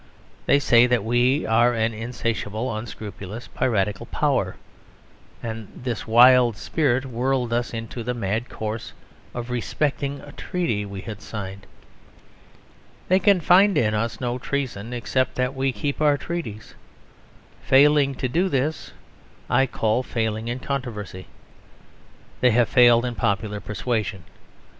They say that we are an insatiable, unscrupulous, piratical power; and this wild spirit whirled us into the mad course of respecting a treaty we had signed. They can find in us no treason except that we keep our treaties: failing to do this I call failing in controversy. They have failed in popular persuasion.